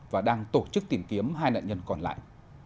và đang tổ chức tìm kiếm hai nạn nhân còn lại